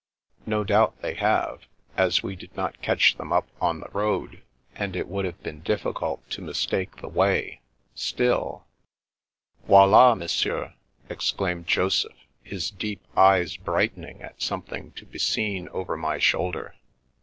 No doubt they have, as we did not catch them up on the road, and it would have been difficult to mistake the way. Still "'' Voild, Monsieur I " exclaimed Joseph, his deep eyes brightening at something to be seen over my shoulder.